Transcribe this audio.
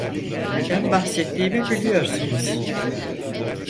Neden bahsettiğimi biliyorsunuz.